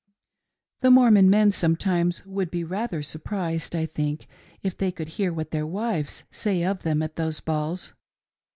The Mormon men sometimes would be rather surprised, I think, if they could hear what their wives say of them at those balls.